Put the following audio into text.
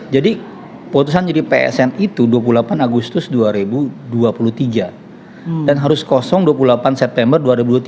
jadi keputusan jadi psn itu dua puluh delapan agustus dua ribu dua puluh tiga dan harus kosong dua puluh delapan september dua ribu dua puluh tiga